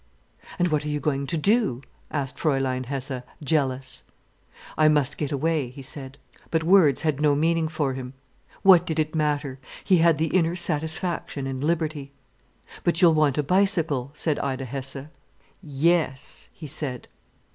"And what are you going to do?" asked Fräulein Hesse, jealous. "I must get away," he said. But words had no meaning for him. What did it matter? He had the inner satisfaction and liberty. "But you'll want a bicycle," said Ida Hesse. "Yes," he said.